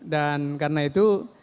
dan karena itu